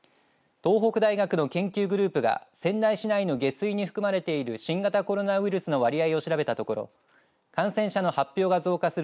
東北大学の研究グループが仙台市内の下水に含まれている新型コロナウイルスの割合を調べたところ感染者の発表が増加する